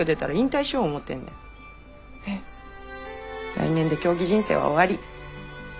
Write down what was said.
来年で競技人生は終わり。